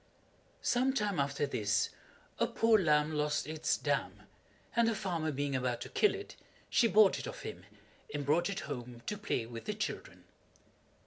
Some time after this a poor lamb lost its dam, and the farmer being about to kill it, she bought it of him, and brought it home to play with the children.